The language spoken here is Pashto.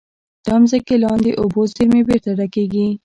د ځمکې لاندې اوبو زیرمې بېرته ډکېږي.